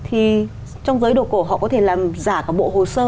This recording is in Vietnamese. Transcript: thì trong giới đồ cổ họ có thể làm giả cả bộ hồ sơ